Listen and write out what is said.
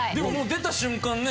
出た瞬間ね